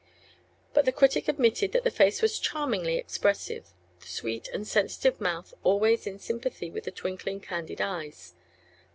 But the critic admitted that the face was charmingly expressive, the sweet and sensitive mouth always in sympathy with the twinkling, candid eyes.